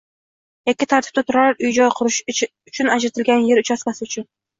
Yakka tartibda turar-joy qurish uchun ajratilgan yer uchastkasi uchun